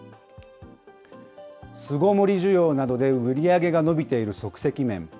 巣ごもり需要などで売り上げが伸びている即席麺。